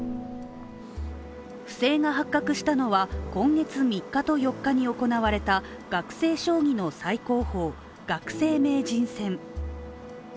不正が発覚したのは今月３日と４日に行われた学生将棋の最高峰、学生名人戦。